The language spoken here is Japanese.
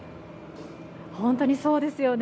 本当にそうですよね。